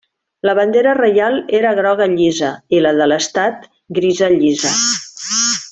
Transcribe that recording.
La bandera reial era groga llisa i la de l'estat grisa llisa.